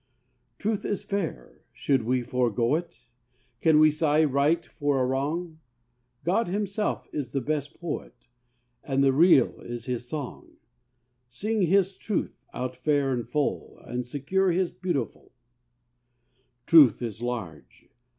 Truth is fair; should we forego it? Can we sigh right for a wrong ? God Himself is the best Poet, And the Real is His song. Sing His Truth out fair and full, And secure His beautiful. Truth is large.